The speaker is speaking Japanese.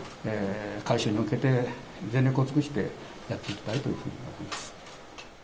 回収に向けて全力を尽くしてやっていきたいというふうに思います。